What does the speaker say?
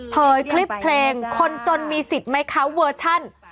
คลิปเพลงคนจนมีสิทธิ์ไหมคะเวอร์ชัน